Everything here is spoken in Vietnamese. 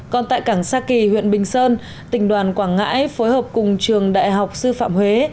còn tại cảng sa kỳ huyện bình sơn tỉnh đoàn quảng ngãi phối hợp cùng trường đại học sư phạm huế